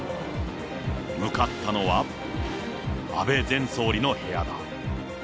向かったのは、安倍前総理の部屋だ。